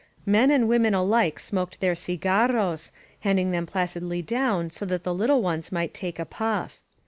Men and women alike smoked their cigarros, handing them placidly down so that the little ones might take a puff.